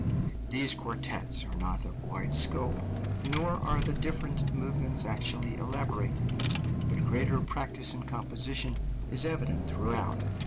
These quartets are not of wide scope, nor are the different movements actually elaborated, but greater practice in composition is evident throughout.